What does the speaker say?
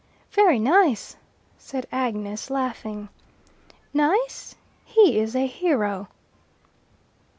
"Very nice," said Agnes, laughing. "Nice! He is a hero."